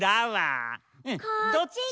どっち？